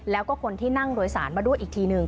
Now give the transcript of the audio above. แล้วก็คนที่นั่งโดยสารมาด้วยอีกทีหนึ่ง